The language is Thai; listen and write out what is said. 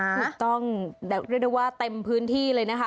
เรียกได้ว่าเต็มพื้นที่เลยนะคะ